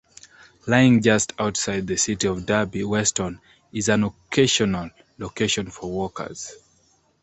Lying just outside the city of Derby, Weston is an occasional location for walkers.